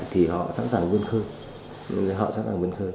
thì họ sẵn sàng vươn khơi